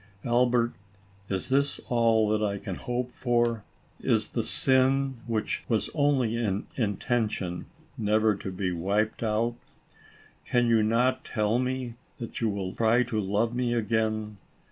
" Albert, is this all that I can hope for ? Is the sin, which was only in intention, never to be wiped out ? Can you not tell me that you will try to love me again